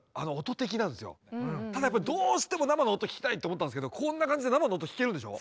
ただやっぱりどうしても生の音聴きたいと思ったんですけどこんな感じで生の音聴けるんでしょ。